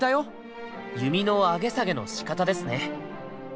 弓の上げ下げのしかたですね。